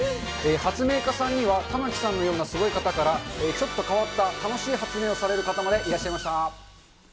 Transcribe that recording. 発明家さんには、玉城さんのようなすごい方から、ちょっと変わった楽しい発明をされる方までいらっしゃいました。